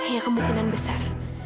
ya kemungkinan besar